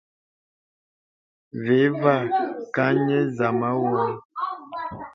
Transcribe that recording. Vè và kàŋə zàmā woŋ.